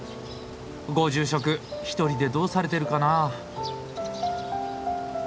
ご住職一人でどうされてるかなあ。